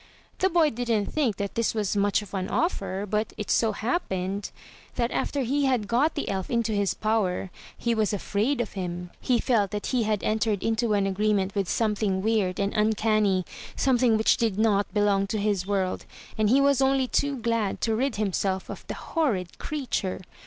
The boy didn't think that this was much of an offer; but it so happened that after he had got the elf into his power, he was afraid of him. He felt that he had entered into an agreement with something weird and uncanny, something which did not belong to his world; and he was only too glad to rid himself of the horrid creature.